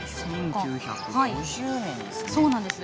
１９５０年ですね。